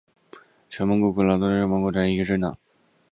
全蒙古劳动党是蒙古国的一个政党。